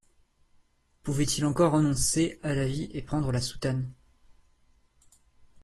Pouvait-il encore renoncer à la vie et prendre la soutane?